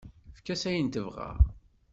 Efk-as ayen tebɣa.